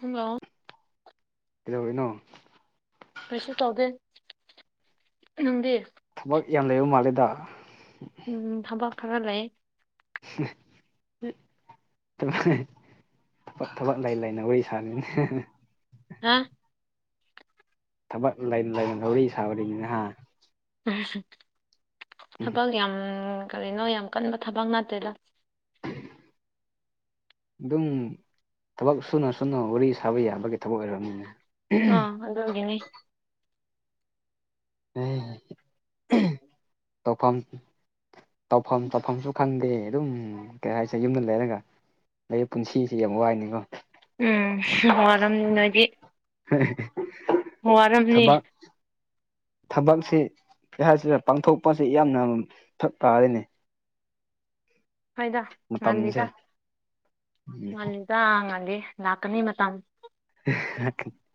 Hello ꯀꯩꯗꯧꯔꯤꯅꯣ ꯀꯩꯁꯨ ꯇꯧꯗꯦ ꯅꯪꯗꯤ ꯊꯕꯛ ꯌꯥꯝ ꯂꯩꯕ ꯃꯥꯜꯂꯦꯗ ꯎꯝ ꯊꯕꯛ ꯈꯔ ꯂꯩꯌꯦ [inaudible] ꯊꯕꯛ ꯊꯕꯛ ꯂꯩ ꯂꯩꯅ ꯋꯥꯔꯤ ꯁꯥꯔꯤꯅꯦ ꯑꯥ ꯊꯕꯛ ꯂꯩ ꯂꯩꯅ ꯋꯥꯔꯤ [unintelligible] ꯍꯥ ꯎꯝ ꯎꯝ ꯊꯕꯛ ꯌꯥꯝ ꯀꯔꯤꯅꯣ ꯌꯥꯝ ꯀꯟꯕ ꯊꯕꯛ ꯅꯠꯇꯦꯗ ꯗꯨꯝ ꯊꯕꯛ ꯁꯨꯅ ꯁꯨꯅ ꯋꯥꯔꯤ ꯁꯥꯕ ꯌꯥꯕꯒꯤ ꯊꯕꯛ ꯑꯣꯏꯔꯝꯅꯤꯅꯦ ꯑꯥ ꯑꯗꯨꯒꯤꯅꯤ ꯫ ꯇꯧꯐꯝ ꯇꯧꯐꯝ ꯇꯧꯐꯝꯁꯨ ꯈꯪꯗꯦ ꯑꯗꯨꯝ ꯀꯩ ꯍꯥꯏꯁꯦ ꯌꯨꯝꯗ ꯂꯩꯔꯒ ꯑꯩ ꯄꯨꯟꯁꯤꯁꯤ ꯌꯥꯝ ꯋꯥꯏꯅꯦꯀꯣ ꯎꯝ ꯋꯥꯔꯝꯅꯤ ꯅꯣꯏꯗꯤ [unintelligible] ꯋꯥꯔꯝꯅꯤ ꯊꯕꯛ ꯊꯕꯛꯁꯤ ꯀꯩ ꯍꯥꯏꯁꯤꯔ ꯄꯥꯡꯊꯣꯛꯄꯁꯤ ꯌꯥꯝꯅ ꯐꯛ ꯇꯥꯔꯦꯅꯤ ꯍꯣꯏꯗ ꯃꯇꯝꯁꯦ ꯉꯜꯂꯤꯗ ꯎꯝ ꯉꯜꯂꯤꯗ ꯉꯜꯂꯤ ꯂꯥꯛꯀꯅꯤ ꯃꯇꯝ [unintelligible]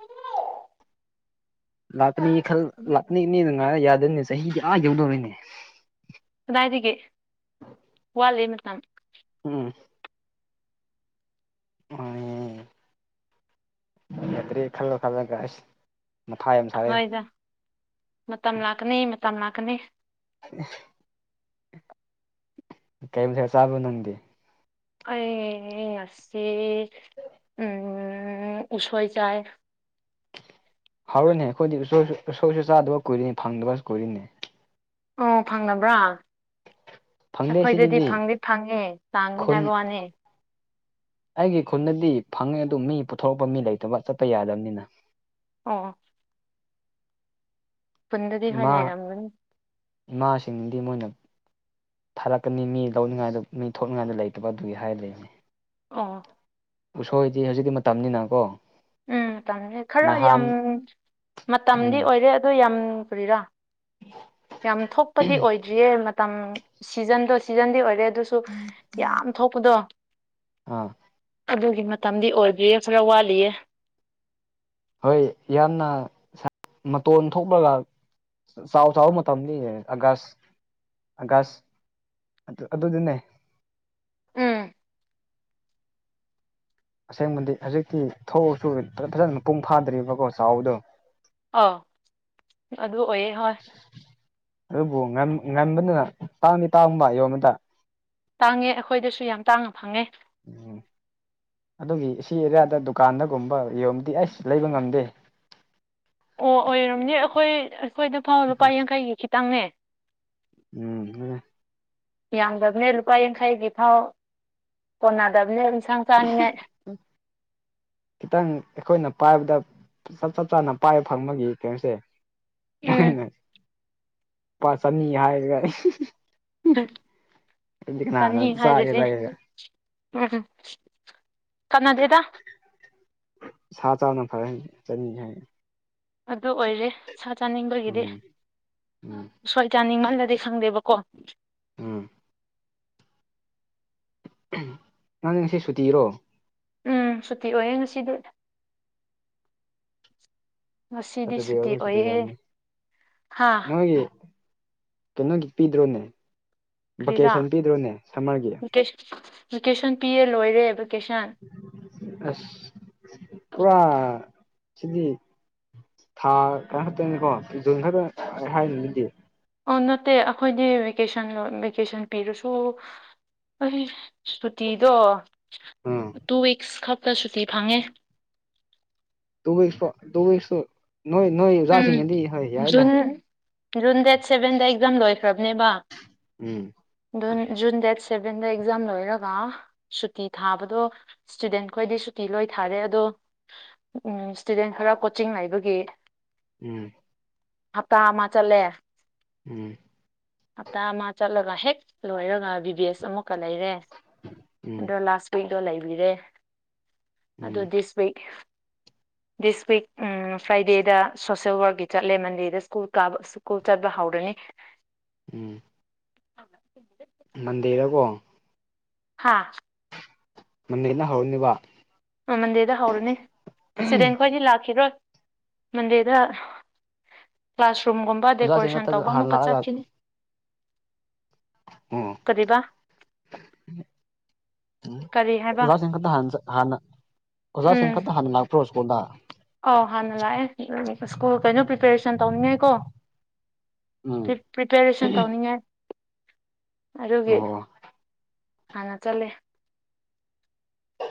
ꯂꯥꯛꯀꯅꯤ ꯈꯜ ꯂꯥꯛꯅꯤꯅꯤꯗ ꯉꯥꯏꯔ ꯌꯥꯗꯦꯅꯦ ꯆꯍꯤꯗꯤ ꯑꯥ ꯌꯧꯗꯧꯔꯤꯅꯦ ꯀꯗꯥꯏꯗꯒꯤ ꯋꯥꯠꯂꯤ ꯃꯇꯝ ꯎꯝ ꯎꯝ ꯌꯥꯀꯔꯤ ꯈꯜꯂ ꯈꯜꯂꯒ ꯑꯁ ꯃꯊꯥ ꯌꯥꯝ ꯁꯥꯏ ꯍꯣꯏꯗ ꯃꯇꯝ ꯂꯥꯛꯀꯅꯤ ꯃꯇꯝ ꯂꯥꯛꯀꯅꯤ [unintelligible] ꯀꯩ ꯃꯊꯦꯜ ꯆꯥꯕꯅꯣ ꯅꯪꯗꯤ ꯑꯦ ꯉꯁꯤ ꯎꯝ ꯎꯁꯣꯏ ꯆꯥꯏ ꯍꯥꯎꯔꯅꯦ ꯑꯩꯈꯣꯏꯗꯤ ꯎꯁꯣꯏꯁꯨ ꯎꯁꯣꯏꯁꯨ ꯆꯥꯗꯕ ꯀꯨꯏꯔꯤꯅꯤ ꯐꯪꯗꯕ ꯀꯨꯏꯔꯤꯅꯦ ꯑꯣ ꯐꯥꯡꯅꯥꯕ꯭ꯔꯥ ꯐꯪꯗꯦ ꯑꯩꯈꯣꯏꯗꯗꯤ ꯁꯤꯗꯗꯤ ꯐꯪꯗꯤ ꯐꯪꯉꯦ ꯇꯥꯡꯅꯤ ꯈꯨꯟ ꯍꯥꯏꯕ ꯋꯥꯅꯤ ꯑꯩꯒꯤ ꯈꯨꯟꯗꯗꯤ ꯐꯪꯉꯦ ꯑꯗꯨ ꯃꯤ ꯄꯨꯊꯣꯔꯛꯄ ꯃꯤ ꯂꯩꯇꯕ ꯆꯠꯄ ꯌꯥꯗꯕꯅꯤꯅ ꯑꯣ ꯐꯨꯟꯗꯗꯤ ꯍꯣꯏ ꯏꯃꯥ ꯂꯩꯔꯝꯒꯅꯤ ꯏꯃꯥꯁꯤꯡꯗꯤ ꯃꯣꯏꯅ ꯊꯥꯔꯛꯀꯅꯤ ꯃꯤ ꯂꯧꯅꯤꯡꯉꯥꯏꯗꯣ ꯃꯤ ꯊꯣꯛꯅꯤꯡꯉꯥꯏꯗꯣ ꯂꯩꯇꯕ ꯑꯗꯨꯒꯤ ꯍꯥꯏꯔ ꯂꯩꯕꯅꯤ ꯑꯣ ꯎꯁꯣꯏꯗꯤ ꯍꯧꯖꯤꯛꯇꯤ ꯃꯇꯝꯅꯤꯅ ꯀꯣ ꯎꯝ ꯃꯇꯝꯅꯤ ꯈꯔ ꯌꯥꯝ ꯃꯇꯝꯗꯤ ꯎꯝ ꯑꯣꯏꯔꯦ ꯑꯗꯣ ꯌꯥꯝ ꯀꯔꯤꯔꯥ [unintelligible] ꯌꯥꯝ ꯊꯣꯛꯄꯗꯤ ꯑꯣꯏꯗ꯭ꯔꯤꯌꯦ ꯃꯇꯝ ꯁꯤꯖꯟꯗꯣ ꯁꯤꯖꯟꯗꯤ ꯑꯣꯏꯔꯦ ꯑꯗꯨꯁꯨ ꯌꯥꯝ ꯊꯣꯛꯄꯗꯣ ꯑꯥ ꯑꯗꯨꯒꯤ ꯃꯇꯝꯗꯤ ꯑꯣꯏꯗ꯭ꯔꯤꯌꯦ ꯈꯔ ꯋꯥꯠꯂꯤꯌꯦ ꯍꯣꯏ ꯌꯥꯝꯅ ꯃꯇꯣꯟ ꯊꯣꯛꯂꯒ ꯆꯥꯎ ꯆꯥꯎꯕ ꯃꯇꯝꯅꯤꯅꯦ ꯑꯥꯒꯁ ꯑꯥꯒꯁ ꯑꯗꯨ ꯑꯗꯨꯗꯤꯅꯦ ꯎꯝ ꯑꯁꯦꯡꯕꯗꯤ ꯍꯧꯖꯤꯛꯇꯤ ꯊꯧꯁꯨ ꯐꯖꯅ ꯃꯄꯨꯡ ꯐꯥꯗ꯭ꯔꯤꯕꯀꯣ ꯆꯥꯎꯕꯗꯣ ꯑꯥꯎ ꯑꯗꯨ ꯑꯣꯏꯌꯦ ꯍꯣꯏ ꯑꯗꯨꯕꯨ ꯉꯟ ꯉꯟꯕꯗꯨꯅ ꯇꯥꯡꯗꯤ ꯇꯥꯡꯕ ꯌꯣꯟꯕꯗ ꯇꯥꯡꯉꯦ ꯑꯩꯈꯣꯏꯗꯁꯨ ꯌꯥꯝ ꯇꯥꯡꯅ ꯐꯪꯉꯦ ꯎꯝ ꯑꯗꯨꯒꯤ ꯁꯤ ꯑꯦꯔꯤꯌꯥꯗ ꯗꯨꯀꯥꯟꯗꯒꯨꯝꯕ ꯌꯣꯟꯕꯗꯤ ꯑꯩꯁ ꯂꯩꯕ ꯉꯝꯗꯦ ꯑꯣ ꯑꯣꯏꯔꯝꯅꯤ ꯑꯩꯈꯣꯏ ꯑꯩꯈꯣꯏꯗ ꯐꯥꯎ ꯂꯨꯄꯥ ꯌꯥꯡꯈꯩꯒꯤ ꯈꯤꯇꯪꯅꯦ ꯎꯝ ꯗꯨꯅꯦ ꯌꯥꯝꯗꯕꯅꯦ ꯂꯨꯄꯥ ꯌꯥꯡꯈꯩꯒꯤ ꯐꯥꯎ ꯀꯣꯟꯅꯗꯕꯅꯦ ꯏꯟꯁꯥꯡ ꯆꯥꯅꯤꯉꯥꯏ ꯎꯝ ꯈꯤꯇꯪ ꯑꯩꯈꯣꯏꯅ ꯄꯥꯏꯕꯗ ꯆꯞ ꯆꯞ ꯆꯥꯅ ꯄꯥꯏꯕ ꯐꯪꯕꯒꯤ ꯀꯩꯅꯣꯁꯦ ꯎꯝ ꯑꯩꯅ ꯄꯥ ꯆꯅꯤ ꯍꯥꯏꯔꯒ ꯑꯗꯨꯗꯤ ꯀꯅꯥꯅ ꯆꯥꯅꯤ ꯍꯥꯏꯔꯗꯤ ꯆꯥꯒꯦꯔꯌꯦꯒ ꯎꯝ ꯀꯅꯥꯗꯦꯗ ꯁꯥ ꯆꯥꯕꯅ ꯐꯔꯅꯤ ꯆꯥꯅꯤ ꯍꯥꯏ ꯑꯗꯨ ꯑꯣꯏꯔꯦ ꯁꯥ ꯆꯥꯅꯤꯡꯕꯒꯤꯗꯤ ꯎꯝ ꯎꯝ ꯁ꯭ꯋꯥꯏ ꯆꯥꯅꯤꯡꯃꯜꯂꯗꯤ ꯈꯪꯗꯦꯕꯀꯣ ꯎꯝ ꯅꯪ ꯉꯁꯤ ꯁꯨꯇꯤꯔꯣ ꯎꯝ ꯁꯨꯇꯤ ꯑꯣꯏꯌꯦ ꯉꯁꯤꯗꯤ ꯉꯁꯤꯗꯤ ꯍꯠꯇꯗꯤ ꯁꯨꯇꯤ ꯑꯣꯏꯔꯣ ꯁꯤꯗ ꯑꯣꯏꯌꯦ ꯌꯥꯅꯤ ꯍꯥ ꯅꯣꯏꯒꯤ ꯀꯩꯅꯣꯒꯤ ꯄꯤꯗ꯭ꯔꯣꯅꯦ ꯚꯀꯦꯁꯟ ꯄꯤꯗ꯭ꯔꯣꯅꯦ ꯁꯝꯃꯔꯒꯤ ꯚꯀꯦꯁꯟ ꯄꯤꯌꯦ ꯂꯣꯏꯔꯦ ꯚꯦꯀꯦꯁꯟ ꯑꯁ ꯄꯨꯔꯥ ꯁꯤꯗꯤ ꯊꯥ ꯀꯔ ꯈꯛꯇꯪꯅꯤꯀꯣ ꯖꯨꯟ ꯈꯛꯇ ꯑꯩ ꯍꯥꯏꯅꯤꯡꯉꯤꯗꯤ ꯑꯣ ꯅꯠꯇꯦ ꯑꯈꯣꯏꯗꯤ ꯚꯦꯀꯦꯁꯟ ꯚꯦꯀꯦꯁꯟ ꯄꯤꯔꯁꯨ ꯑꯩ ꯁꯨꯇꯤꯗꯣ ꯎꯝ ꯇꯨ ꯋꯤꯛꯁ ꯈꯛꯇ ꯁꯨꯇꯤ ꯐꯪꯉꯦ ꯇꯨ ꯋꯤꯛꯁꯄꯨ ꯇꯨ ꯋꯤꯛꯁꯨ ꯅꯣꯏ ꯅꯣꯏ ꯎꯝ ꯑꯣꯖꯥꯁꯤꯡꯒꯗꯤ ꯍꯣꯏ ꯖꯨꯟ ꯌꯥꯏꯗ ꯖꯨꯟ ꯗꯦꯠ ꯁꯚꯦꯟꯗ ꯑꯦꯛꯖꯥꯝ ꯂꯣꯏꯈ꯭ꯔꯕꯅꯦꯕ ꯎꯝ ꯗꯨꯟ ꯖꯨꯟ ꯗꯦꯠ ꯁꯚꯦꯟꯗ ꯑꯦꯛꯖꯥꯝ ꯂꯣꯏꯔꯒ ꯁꯨꯇꯤ ꯊꯥꯕꯗꯣ ꯁ꯭ꯇꯨꯗꯦꯟ ꯈꯣꯏꯗꯤ ꯁꯨꯇꯤ ꯂꯣꯏ ꯊꯥꯔꯦ ꯑꯗꯣ ꯎꯝ ꯏꯁ꯭ꯇꯨꯗꯦꯟ ꯈꯔ ꯀꯣꯆꯤꯡ ꯂꯩꯕꯒꯤ ꯎꯝ ꯍꯞꯇꯥ ꯑꯃ ꯆꯠꯂꯦ ꯎꯝ ꯍꯞꯇꯥ ꯑꯃ ꯆꯠꯂꯒ ꯍꯦꯛ ꯂꯣꯏꯔꯒ ꯕꯤ ꯕꯤ ꯑꯦꯁ ꯑꯃꯨꯛ ꯀ ꯂꯩꯔꯦ ꯎꯝ ꯑꯗꯣ ꯂꯥꯁ ꯋꯤꯛꯇꯣ ꯂꯩꯕꯤꯔꯦ ꯑꯗꯨ ꯎꯝ ꯗꯤꯁ ꯋꯤꯛ ꯗꯤꯁ ꯋꯤꯛ ꯎꯝ ꯐ꯭ꯔꯥꯏꯗꯦꯗ ꯁꯣꯁꯦꯜ ꯋꯥꯔꯛꯀꯤ ꯆꯠꯂꯦ ꯃꯟꯗꯦꯗ ꯁ꯭ꯀꯨꯜ ꯀꯥꯕ ꯁ꯭ꯀꯨꯜ ꯆꯠꯄ ꯍꯧꯔꯦ ꯎꯝ [inaudible] ꯃꯟꯗꯦꯗꯀꯣ ꯍꯥꯥ ꯃꯟꯗꯦꯗ ꯍꯧꯔꯅꯤꯕ ꯑ ꯃꯟꯗꯦꯗ ꯍꯧꯔꯅꯤ ꯁ꯭ꯇꯨꯗꯦꯟꯈꯣꯏꯗꯤ ꯂꯥꯛꯈꯤꯔꯣꯏ ꯃꯟꯗꯦꯗ ꯀ꯭ꯂꯥꯁꯔꯨꯝꯒꯨꯝꯕ ꯑꯣꯖꯥꯁꯤꯡ ꯗꯦꯀꯣꯔꯦꯁꯟ ꯉꯥꯛꯇ ꯇꯧꯕ ꯍꯥꯟꯅ ꯑꯃꯨꯛꯀ ꯂꯥꯛꯑꯒ ꯆꯠꯈꯤꯅꯤ ꯎꯝ ꯀꯔꯤꯕ ꯎꯝ ꯀꯔꯤ ꯍꯥꯏꯕ ꯑꯣꯖꯥꯁꯤꯡ ꯈꯛꯇ ꯍꯥꯟꯆ ꯍꯥꯟꯅ ꯑꯣꯖꯥꯁꯤꯡ ꯎꯝ ꯈꯛꯇ ꯍꯥꯟꯅ ꯂꯥꯛꯄ꯭ꯔꯣ ꯁ꯭ꯀꯨꯜꯗ ꯑꯧ ꯍꯥꯟꯅ ꯂꯥꯛꯑꯦ ꯁ꯭ꯀꯨꯜ ꯀꯩꯅꯣ ꯄ꯭ꯔꯤꯄꯦꯔꯦꯁꯟ ꯇꯧꯅꯤꯡꯉꯥꯏꯀꯣ ꯎꯝ ꯄ꯭ꯔꯤ ꯄ꯭ꯔꯤꯄꯦꯔꯦꯁꯟ ꯇꯧꯅꯤꯉꯥꯏ ꯑꯗꯨꯒꯤ ꯑꯣ ꯑꯣ ꯍꯥꯟꯅ ꯆꯠꯂꯦ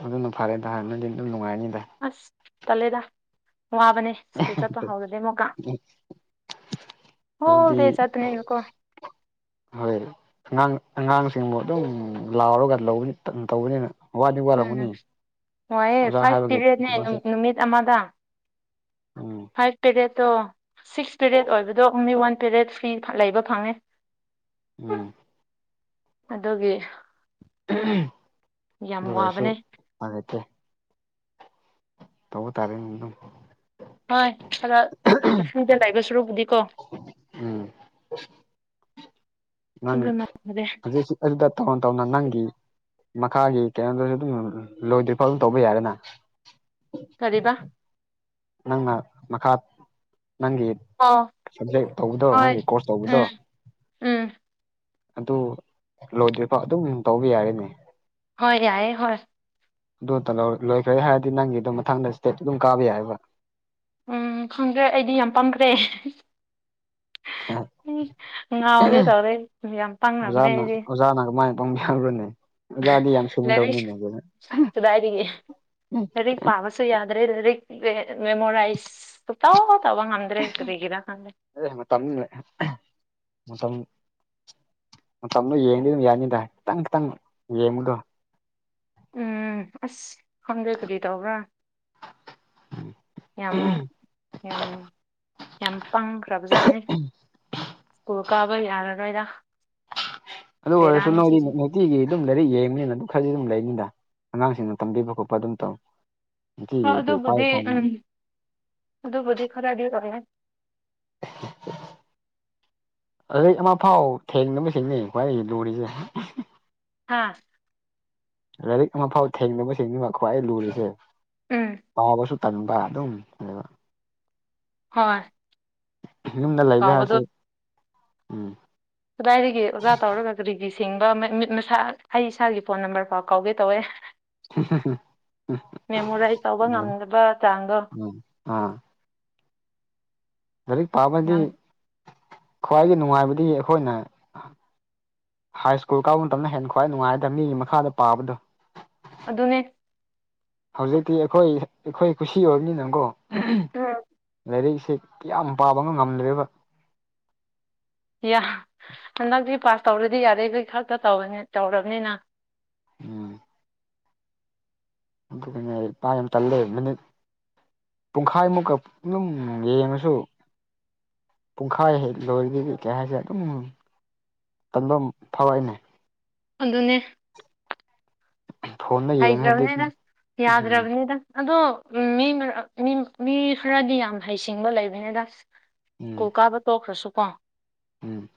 ꯑꯗꯨꯅ ꯐꯔꯦꯗ ꯍ ꯅꯣꯏꯗꯤ ꯑꯗꯨꯝ ꯅꯨꯡꯉꯥꯏꯅꯤꯗ ꯑꯁ ꯇꯜꯂꯦꯗ ꯋꯥꯕꯅꯦ ꯁꯀꯨꯜ ꯆꯠꯄ ꯍꯥꯎꯔꯗꯤ ꯑꯃꯨꯛꯀ ꯑꯗꯨꯗꯤ ꯍꯣꯜꯗꯦ ꯆꯠꯄꯅꯤꯅꯀꯣ ꯍꯣꯏ ꯑꯉꯥꯡ ꯑꯉꯥꯡꯁꯤꯡꯕꯨ ꯑꯗꯨꯝ ꯂꯥꯎꯔꯒ ꯂꯧꯕꯅꯤ ꯇꯟ ꯇꯧꯕꯅꯤꯅ ꯋꯥꯗꯤ ꯎꯝ ꯋꯥꯔꯝꯒꯅꯤ ꯋꯥꯏꯌꯦ ꯑꯣꯖꯥ ꯐꯥꯏꯚ ꯍꯥꯏꯕꯒꯤ ꯄꯤꯔꯤꯌꯠꯅꯦ ꯊꯕꯛꯁꯦ ꯅꯨꯃꯤꯠ ꯑꯃꯗ [inaudible] ꯐꯥꯏꯚ ꯄꯦꯔꯦꯠꯇꯣ ꯁꯤꯛꯁ ꯄꯦꯔꯦꯠ ꯑꯣꯏꯕꯗꯣ ꯑꯣꯟꯂꯤ ꯋꯥꯟ ꯄꯦꯔꯦꯠ ꯐ꯭ꯔꯤ ꯂꯩꯕ ꯐꯪꯉꯦ ꯎꯝ ꯑꯗꯨꯒꯤ ꯌꯥꯝ ꯑꯗꯨ ꯑꯣꯏꯔꯁꯨ ꯋꯥꯕꯅꯦ ꯎꯄꯥꯏ ꯂꯩꯇꯦ ꯇꯧꯕ ꯇꯥꯔꯦꯅꯦꯀꯣ ꯍꯣꯏ ꯈꯔ [unintelligible] ꯂꯩꯕ ꯁꯨꯔꯨꯛꯕꯨꯗꯤꯀꯣ ꯎꯝ ꯅꯪ ꯍꯖꯤꯛ ꯑꯗꯨꯗ ꯇꯧꯅ ꯇꯧꯅ ꯅꯪꯒꯤ ꯃꯈꯥꯒꯤ ꯀꯩꯅꯣꯗꯁꯨ ꯑꯗꯨꯝ ꯂꯣꯏꯗ꯭ꯔꯤꯐꯥꯎ ꯑꯗꯨꯝ ꯇꯧꯕ ꯌꯥꯔꯦꯅ ꯀꯔꯤꯕ ꯅꯪꯅ ꯃꯈꯥ ꯅꯪꯒꯤ ꯑꯣ ꯁꯕꯖꯦꯛ ꯇꯧꯕꯗꯣ ꯍꯣꯏ ꯅꯪꯒꯤ ꯀꯣꯔꯁ ꯇꯧꯕꯗꯣ ꯎꯝ ꯎꯝ ꯑꯗꯨ ꯂꯣꯏꯗ꯭ꯔꯤꯐꯥꯎ ꯑꯗꯨꯝ ꯇꯧꯕ ꯌꯥꯔꯦꯅꯦ ꯍꯣꯏ ꯌꯥꯏꯌꯦ ꯍꯣꯏ ꯑꯗꯨꯇ ꯂꯧ ꯂꯣꯏꯈ꯭ꯔꯦ ꯍꯥꯏꯔꯗꯤ ꯅꯪꯒꯤ ꯑꯗꯨꯝ ꯃꯊꯪꯗ ꯏꯁꯇꯦꯠ ꯑꯗꯨꯝ ꯀꯥꯕ ꯌꯥꯏꯕ ꯎꯝ ꯈꯪꯗ꯭ꯔꯦ ꯑꯩꯗꯤ ꯌꯥꯝ ꯄꯡꯈ꯭ꯔꯦ ꯉꯥꯎꯒꯦ ꯇꯧꯔꯦ ꯌꯥꯝ ꯄꯪꯔꯝꯔꯦ ꯑꯣꯖꯥꯅ ꯑꯩꯗꯤ ꯑꯣꯖꯥꯅ ꯀꯃꯥꯥꯏꯟ ꯄꯡꯅꯕ꯭ꯔꯣꯅꯦ ꯑꯣꯖꯥꯗꯤ ꯌꯥꯝ ꯂꯥꯏꯔꯤꯛ ꯁꯤꯡꯒꯥꯗꯧꯅꯤꯅꯦ ꯀꯩꯅꯣ ꯨ ꯁꯨ ꯌꯥꯗ꯭ꯔꯦ ꯂꯥꯔꯤꯛ ꯑꯦ ꯃꯦꯃꯣꯔꯥꯏꯁ ꯁꯨꯛꯇꯧ ꯇꯧꯕ ꯉꯝꯗ꯭ꯔꯦ ꯀꯔꯤꯒꯤꯔ ꯈꯪꯗꯦ ꯑꯦ ꯃꯇꯝ ꯅꯤꯅ ꯃꯇꯝ ꯃꯇꯝꯗꯣ ꯌꯦꯡꯗꯤ ꯑꯗꯨꯝ ꯌꯥꯅꯤꯗ ꯈꯤꯇꯪ ꯈꯤꯇꯪ ꯌꯦꯡꯕꯗꯣ ꯎꯝ ꯑꯁ ꯈꯪꯗꯦ ꯀꯔꯤ ꯇꯧꯕ꯭ꯔꯥ ꯌꯥꯝ ꯌꯝ ꯌꯥꯝ ꯄꯪꯈ꯭ꯔꯕꯖꯥꯠꯅꯤ ꯁ꯭ꯀꯨꯜ ꯀꯥꯕ ꯌꯥꯔꯔꯣꯏꯗ ꯑꯗꯨ ꯑꯣꯏꯔꯁꯨ ꯕꯦꯔꯥꯅꯤ ꯅꯣꯏꯗꯤ ꯁꯤꯁꯦ [unintelligible] ꯇꯤꯒꯤ ꯑꯗꯨꯝ ꯂꯥꯏꯔꯤꯛ ꯌꯦꯡꯕꯅꯤꯅ ꯑꯗꯨꯝ ꯈꯔꯗꯤ ꯑꯗꯨꯝ ꯂꯩꯅꯤꯗ ꯑꯉꯥꯡꯁꯤꯡꯅ ꯇꯝꯕꯤꯕ ꯈꯣꯠꯄ ꯑꯗꯨꯝ ꯇꯧ ꯍꯣ ꯅꯨꯡꯇꯤꯒꯤ ꯄꯥꯏꯕ ꯑꯗꯨꯕꯨꯗꯤ ꯐꯪꯅꯤ ꯎꯝ ꯑꯗꯨꯕꯨꯗꯤ ꯈꯔꯗꯤ ꯑꯣꯏꯌꯦ [inaudible] ꯂꯥꯏꯔꯤꯛ ꯑꯃꯐꯥꯎ ꯊꯦꯡꯗꯕꯁꯤꯡꯅꯤ ꯈ꯭ꯋꯥꯏ ꯂꯨꯔꯤꯖꯦ ꯍꯥꯥ ꯂꯥꯏꯔꯤꯛ ꯑꯃꯐꯥꯎ ꯊꯦꯡꯗꯕ ꯁꯤꯡꯅꯤꯕ ꯈ꯭ꯋꯥꯏ ꯂꯨꯔꯤꯁꯦ ꯎꯝ ꯄꯥꯕꯁꯨ ꯇꯟꯕ ꯑꯗꯨꯝ ꯅꯦꯕ ꯍꯣꯏ ꯌꯨꯝꯗ ꯂꯩꯕ ꯀꯥꯎꯕꯗꯣ ꯍꯥꯏꯔꯁꯦ ꯎꯝ ꯀꯗꯥꯏꯗꯒꯤ ꯑꯣꯖꯥ ꯇꯧꯔꯒ ꯀꯔꯤꯒꯤ ꯁꯤꯡꯕ ꯃꯤꯠ ꯃꯤꯠ ꯃꯁꯥ ꯑꯩ ꯏꯁꯥꯒꯤ ꯐꯣꯟ ꯅꯝꯕꯔ ꯐꯥꯎ ꯀꯥꯎꯒꯦ ꯇꯧꯋꯦ ꯃꯦꯃꯣꯔꯥꯏꯁ ꯇꯧꯕ ꯉꯝꯗꯕ ꯆꯥꯡꯗꯣ [unintelligible] ꯑꯥ ꯂꯥꯏꯔꯤꯛ ꯄꯥꯕꯗꯤ ꯌꯥꯝ ꯈ꯭ꯋꯥꯏꯒꯤ ꯅꯨꯡꯉꯥꯏꯕꯗꯤ ꯑꯩꯈꯣꯏꯅ ꯍ꯭ꯥꯏ꯭ꯁꯀꯨꯜ ꯀꯥꯕ ꯃꯇꯝꯅ ꯍꯦꯟꯅ ꯈ꯭ꯋꯥꯏ ꯅꯨꯡꯉꯥꯏꯇꯅꯤ ꯃꯤꯒꯤ ꯃꯈꯥꯗ ꯄꯥꯕꯗꯣ ꯑꯗꯨꯅꯦ ꯍꯧꯖꯤꯛꯇꯤ ꯑꯩꯈꯣꯏ ꯑꯩꯈꯣꯏ ꯀꯨꯁꯤ ꯑꯣꯏꯕꯅꯤꯅꯒꯣ ꯂꯥꯏꯔꯤꯛꯁꯦ ꯀ꯭ꯌꯥꯝ ꯄꯥꯕꯒ ꯉꯝꯗ꯭ꯔꯦꯕ ꯌꯥ ꯍꯟꯗꯛꯇꯤ ꯄꯥꯁ ꯇꯧꯔꯗꯤ ꯌꯥꯔꯦꯒꯣꯏ ꯈꯛꯇ ꯇꯧꯕꯅꯤꯠ ꯇꯧꯔ꯭ꯕꯅꯤꯅ ꯎꯝ ꯑꯗꯨꯒꯅꯦ ꯑꯩ ꯄꯥ ꯌꯥꯝ ꯇꯜꯂꯦ ꯃꯤꯅꯤꯠ ꯄꯨꯡꯈꯥꯏꯃꯨꯛꯀ ꯅꯨꯝ ꯌꯦꯡꯉꯁꯨ ꯄꯨꯡꯈꯥꯏ ꯍꯦꯛ ꯂꯣꯏꯔꯗꯤꯒꯤ ꯀꯩ ꯍꯥꯏꯁꯤꯌ ꯗꯨꯝ ꯇꯟꯕꯝ ꯐꯥꯎ ꯋꯦꯅꯦ ꯑꯗꯨꯅꯦ ꯐꯣꯟꯗ ꯍꯩ ꯌꯦꯡꯉꯗꯤ ꯗ꯭ꯔ꯭ꯕꯅꯦꯅ ꯎꯝ ꯌꯥꯗ꯭ꯔꯕꯅꯦꯗ ꯑꯗꯣ ꯃꯤ ꯃꯔꯛ ꯃꯤ ꯃꯤ ꯈꯔꯗꯤ ꯌꯥꯝ ꯍꯩ ꯁꯤꯡꯕ ꯂꯩꯕꯅꯦꯗ ꯎꯝ ꯀꯨꯜ ꯀꯥꯕ ꯇꯣꯛꯈ꯭ꯔꯁꯨ ꯀꯣ ꯎꯝ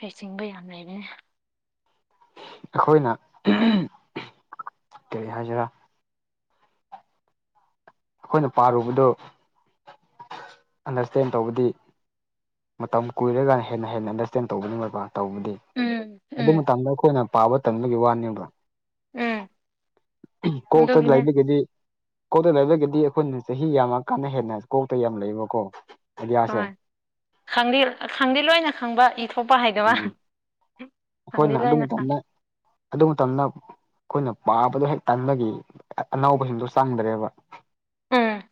ꯍꯩ ꯆꯤꯡꯕ ꯌꯥꯝ ꯂꯩꯕꯅꯦ ꯑꯩꯈꯣꯏꯅ ꯀꯔꯤ ꯍꯥꯏꯖꯤꯔꯥ ꯑꯈꯣꯏꯅ ꯄꯥꯔꯨꯕꯗꯣ ꯑꯟꯅ꯭ꯔ꯭ꯁꯇꯦꯟ ꯇꯧꯕꯗꯤ ꯃꯇꯝ ꯀꯨꯏꯔꯒ ꯍꯦꯟꯅ ꯍꯦꯟꯅ ꯑꯟꯗ꯭ꯔ꯭ꯁꯇꯦꯟ ꯇꯧꯕꯅꯤ ꯃꯣꯏꯄ ꯇꯧꯕꯗꯤ ꯎꯝ ꯑꯗꯨ ꯎꯝ ꯃꯇꯥꯡꯗ ꯑꯩꯈꯣꯏꯅ ꯄꯥꯕ ꯇꯟꯕꯒꯤ ꯋꯥꯅꯦꯕ ꯎꯝ ꯀꯣꯛꯇ ꯑꯗꯨꯒꯤꯅꯦ ꯂꯩꯕꯒꯤꯗꯤ ꯀꯣꯛꯇ ꯂꯥꯏꯕꯒ꯭ꯦꯗ ꯗꯤ ꯑꯩꯈꯣꯏꯅ ꯆꯍꯤ ꯌꯥꯝꯃ ꯀꯥꯟꯗ ꯍꯦꯟꯅ ꯀꯣꯛꯇ ꯌꯥꯝ ꯂꯩꯌꯦꯕ ꯀꯣ ꯍꯣꯏ ꯈꯪꯗꯤ ꯈꯪꯗꯤ ꯂꯣꯏꯅ ꯈꯪꯕ ꯏꯊꯣꯛꯄ ꯍꯩꯗꯕ ꯑꯈꯣꯏꯅ ꯑꯗꯨ ꯃꯇꯝꯗ ꯑꯗꯨ ꯃꯇꯝꯗ ꯑꯈꯣꯏꯅ ꯄꯥꯕꯗꯣ ꯍꯦꯛ ꯇꯟꯕꯒꯤ ꯑꯅꯧꯕꯁꯤꯡꯗꯣ ꯆꯪꯗ꯭ꯔꯦꯕ ꯎꯝ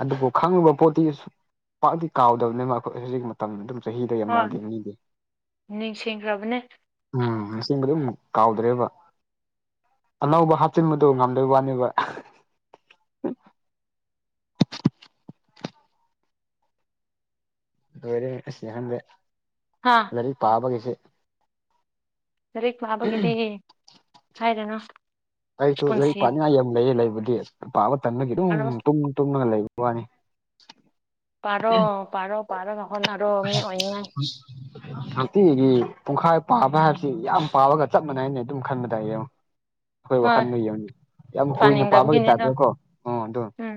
ꯑꯗꯨꯕꯨ ꯈꯪꯉꯨꯕ ꯄꯣꯠꯇꯤ ꯁꯨꯛ ꯄꯥꯛꯇꯤ ꯀꯥꯎꯗꯕꯅꯤꯅ ꯑꯈꯣꯏ ꯍꯧꯖꯤꯛ ꯃꯠ ꯇꯝ ꯑꯗꯨꯝ ꯆꯍꯤꯗ ꯌꯥꯝ ꯍꯣꯏ ꯅꯥꯏꯗꯦꯅꯤꯗꯤ ꯅꯤꯡꯁꯤꯡꯈ꯭ꯔꯕꯅꯦ ꯎꯝ ꯅꯤꯡꯕꯗꯨꯝ ꯀꯥꯎꯗ꯭ꯔꯦꯕ ꯑꯅꯧꯕ ꯍꯥꯞꯆꯤꯟꯕꯗꯣ ꯉꯝꯗꯣꯏ ꯋꯥꯅꯦꯕ [unintelligible] ꯍꯥꯥ ꯂꯥꯏꯔꯤꯛ ꯄꯥꯕ ꯀꯩꯁꯦ ꯂꯥꯏꯔꯛ ꯄꯥꯕꯒꯤꯗꯤ ꯍꯥꯏꯔꯅꯣ ꯑꯩꯁꯨ ꯂꯩ ꯄꯥꯅꯤꯡꯉꯥꯏ ꯌꯥꯝ ꯂꯩꯌꯦ ꯂꯩꯕꯗꯤ ꯄꯥꯕ ꯇꯟꯕꯒꯤ ꯑꯗꯨꯝ ꯄꯥꯔꯣ ꯇꯨꯝ ꯇꯨꯝꯉꯒ ꯂꯩꯕ ꯋꯥꯅꯤ ꯄꯥꯔꫭ ꯄꯥꯔꫭ ꯄꯥꯔꯥꯒ ꯍꫭꯠꯅꯔꫭ ꯃꯤ ꯑꯣꯏꯅꯤꯡꯉꯥꯏ ꯍꯥꯟꯇꯤꯒꯤ ꯄꯨꯡꯈꯥꯏ ꯄꯥꯕ ꯍꯥꯏꯕꯁꯤ ꯌꯥꯝ ꯄꯥꯕꯒ ꯆꯞ ꯃꯥꯟꯅꯩꯅ ꯑꯗꯨꯝ ꯈꯟꯕꯗꯥ ꯌꯦꯡꯉꫭ ꯑꯩꯈꯣꯏ ꯍꯣꯏ ꯋꯥꯈꯜꯗ ꯌꯡꯅꯤ ꯌꯥꯝ ꯀꯨꯏꯅ ꯄꯥꯕꯒꯤ ꯄꯥꯅꯤꯡꯗꯕꯒꯤꯅꯤꯗ ꯇꯥꯛꯇꯦꯀꯣ ꯎ ꯑꯗꯨ ꯎꯝ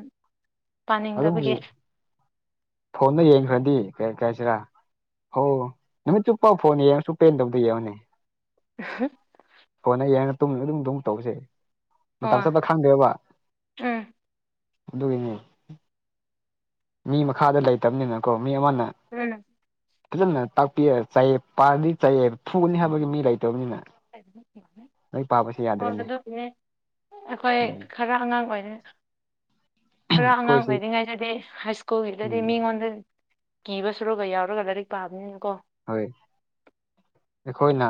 ꯄꯥꯅꯤꯡꯗꯕꯒꯤ ꯐꯣꯟꯅ ꯌꯦꯡꯈ꯭ꯔꯗꯤ ꯀꯔꯤ ꯀꯥꯏꯁꯤꯔꯥ ꯍꫭ ꯅꯨꯃꯤꯠ ꯆꯨꯞꯄꯥꯎ ꯐꯣꯟ ꯌꯦꯡꯉꯁꯨ ꯄꯦꯟꯗꯕꯗꯨ ꯌꯦꯡꯉꯅꯦ [unintelligible] ꯀꯣꯟꯅ ꯌꯥꯡ ꯇꯨꯝ ꯑꯗꯨꯝ ꯑꯗꯨꯝ ꯇꯧꯁꯦ ꯃꯇꯝ ꯑꯣ ꯆꯞꯄ ꯈꯪꯗꯦꯕ ꯎꯝ ꯑꯗꯨꯒꯤꯅꯦ ꯃꯤ ꯃꯈꯥꯗ ꯂꯩꯇꯕꯅꯤꯅꯀꯣ ꯃꯤ ꯑꯃꯅ ꯎꯝ ꯐꯖꯅ ꯇꯥꯛꯄꯤꯔ ꯆꯌꯦ ꯄꯥꯔꯗꯤ ꯆꯌꯦ ꯐꯨꯒꯅꯤ ꯍꯥꯏꯕꯒꯤ ꯃꯤ ꯂꯩꯇꯕꯅꯤꯅ ꯂꯥꯏꯔꯤꯛ ꯄꯥꯕꯁꯤ ꯍꯣꯏ ꯌꯥꯗ꯭ꯔꯦꯅꯦ ꯑꯗꯨꯕꯨꯅꯦ ꯑꯩꯈꯣꯏ ꯎꯝ ꯈꯔ ꯑꯉꯥꯡ ꯑꯣꯏꯔꯤꯉꯩ ꯈꯔ ꯑꯉꯥꯡ ꯑꯩꯈꯣꯏꯁꯤ ꯑꯣꯏꯔꯤꯉꯩꯗꯗꯤ ꯍꯥꯏ ꯎꯝ ꯁ꯭ꯀꯨꯜꯒꯤꯗꯗꯤ ꯃꯤꯉꯣꯟꯗꯗꯤ ꯀꯤꯕ ꯁꯨꯔꯒ ꯌꯥꯎꯔꯒ ꯂꯥꯏꯔꯤꯛ ꯄꯥꯕꯅꯤꯅ ꯀꯣ ꯍꯣꯏ ꯑꯩꯈꯣꯏꯅ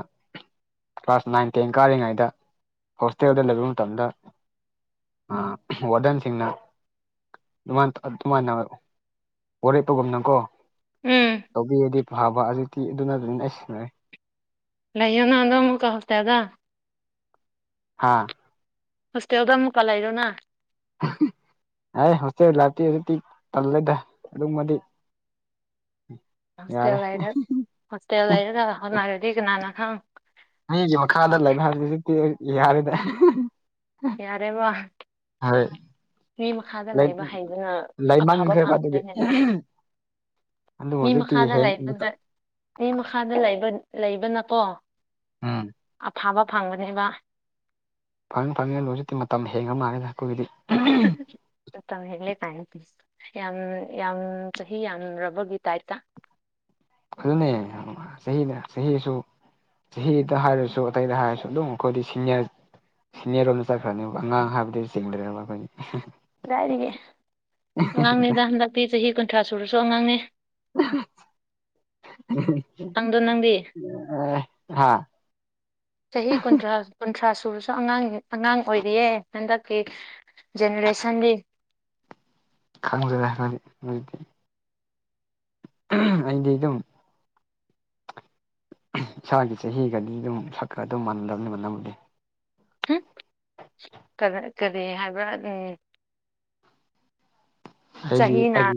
ꯀ꯭ꯂꯥꯁ ꯅꯥꯏꯟ ꯇꯦꯟ ꯀꯥꯔꯤꯉꯩꯗ ꯍꯣꯁꯇꯦꯜꯗ ꯂꯩꯕ ꯃꯇꯝꯗ ꯑ ꯋꯥꯗꯦꯟ ꯁꯤꯡꯅ ꯥꯟ ꯑꯗꯨꯃꯥꯟ ꯋꯥꯔꯦꯞ ꯄꯒꯨꯝꯅꯀꯣ ꯎꯝ ꯇꯧꯕꯤꯔꯗꯤ ꯐꯕ ꯍꯖꯤ [unintelligible] ꯛꯇꯤ ꯑꯗꯨꯅ ꯑꯗꯨꯅꯤ ꯑꯩ ꯁꯦ ꯂꯩꯌꯣꯅ ꯑꯗꯣ ꯑꯃꯨꯛ ꯍꯣꯁꯇꯦꯜꯗ ꯍꯥꯥ ꯍꯣꯁꯇꯦꯜꯗ ꯃꯨꯀꯥ ꯂꯩꯔꯣꯅ ꯍ ꯍꯣꯁꯦꯜ ꯂꯥꯏꯞꯇꯤ ꯍꯧꯖꯤꯛꯇꯤ ꯇꯜꯂꯦꯗ ꯑꯗꯨꯃꯗꯤ ꯎꯝ [inaudible] ꯍꯣꯁꯇꯦꯜ ꯂꯔ ꯍꯣꯁꯇꯦꯜ ꯂꯩꯔꯒ ꯍꯣꯠꯅꯔꯗꯤ ꯀꯅꯥꯅꯥ ꯈꯥꯎ [unintelligible] ꯃꯤꯒꯤ ꯃꯈꯥꯗ ꯂꯩꯕ ꯍꯥꯏꯕꯁꯤꯁꯨꯛꯇꯤ ꯌꯥꯔꯦꯅꯦ ꯌꯥꯔꯦꯕꯥ ꯍꯣꯏ ꯃꯤ ꯃꯈꯥꯗ ꯂꯩꯕ ꯍꯩꯕꯅ ꯑꯐꯕ ꯂꯩꯃꯟꯈ꯭ꯔꯦꯕ ꯑꯗꯨꯒꯤ ꯐꯪꯈ꯭ꯔꯦꯅꯦ ꯑꯗꯨꯕꯨ ꯃꯤ ꯍꯧꯖꯤꯛꯇꯤ ꯃꯈꯥꯗ ꯍꯦꯡ ꯂꯩ ꯂꯩꯕꯗ꯭ꯔ [unintelligible] ꯑꯩ ꯃꯈꯥꯗ ꯂꯩꯕꯅꯀꯣ ꯎꯝ ꯑꯐꯕ ꯐꯪꯕꯅꯦꯕ ꯐꯪꯅꯤ ꯐꯪꯅꯤ ꯂꯣꯏꯅꯗꯤ ꯃꯇꯝ ꯍꯦꯟꯉ꯭ꯔ ꯃꯥꯜꯂꯦꯅ ꯑꯩꯈꯣꯏꯒꯤꯗꯤ ꯃꯇꯝ ꯍꯦꯜꯂꯦ ꯀꯥꯏꯅ ꯌꯥꯝ ꯌꯥꯝ ꯆꯍꯤ ꯌꯥꯝꯔꯕꯒꯤ ꯇꯥꯏꯞꯇ ꯑꯗꯨꯅꯦ ꯆꯍꯤꯅ ꯆꯍꯤꯁꯨ ꯆꯍꯤꯗ ꯍꯥꯏꯔꯁꯨ ꯑꯇꯩꯗ ꯍꯥꯏꯔꯁꯨ ꯑꯗꯨꯝ ꯑꯩꯈꯣꯏꯗꯤ ꯁꯤꯅꯤꯌꯔ ꯁꯤꯅꯤꯌꯔꯣꯝꯗ ꯆꯠꯈ꯭ꯔꯅꯦꯕ ꯑꯉꯥꯡ ꯍꯥꯏꯕꯗꯤ ꯆꯤꯡꯗ꯭ꯔꯦꯕ ꯑꯩꯈꯣꯏ ꯗꯥꯥꯏꯔꯤꯒꯤ ꯑꯉꯥꯡꯅꯦꯗ ꯍꯟꯗꯛꯇꯤ ꯆꯍꯤ ꯀꯨꯟꯊ꯭ꯔꯥ ꯁꯨꯔꯁꯨ ꯑꯉꯥꯡꯅꯦ ꯅꯪꯗꯣ ꯅꯪꯗꯤ ꯑ ꯍꯥꯥ [unintelligible] ꯆꯍꯤ ꯀꯨꯟꯊ꯭ꯔꯥ ꯀꯨꯟꯊ꯭ꯔꯥ ꯁꯨꯔꯁꯨ ꯑꯉꯥꯡ ꯑꯉꯥꯡ ꯑꯣꯏꯔꯤꯌꯦ ꯍꯟꯗꯛꯀꯤ ꯖꯦꯅꯦꯔꯦꯁꯟꯗꯤ ꯀꯗꯗꯤ ꯃꯅꯨꯡꯣꯏꯗꯤ [unintelligible] ꯑꯩꯗꯤ ꯑꯗꯨꯝ ꯏꯁꯥꯒꯤ ꯆꯍꯤꯒꯗꯤ ꯑꯗꯨꯝ ꯁꯛ ꯀ ꯑꯗꯨꯝ ꯃꯥꯟꯅꯗ꯭ꯔꯕꯅꯤꯅ [unintelligible] ꯅꯝꯗꯦ ꯍꯨꯝ ꯀꯔꯥ ꯀꯔꯤ ꯍꯥꯏꯕ꯭ꯔꯥ ꯎꯝ ꯍꯥꯏꯗꯤ ꯆꯍꯤꯅ ꯑꯩꯗꯤ